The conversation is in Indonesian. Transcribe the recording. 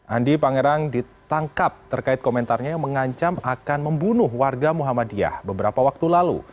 andi pangerang ditangkap terkait komentarnya yang mengancam akan membunuh warga muhammadiyah beberapa waktu lalu